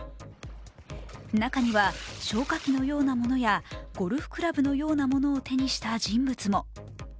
中には消火器のようなものやゴルフクラブのようなものを手にした人物も。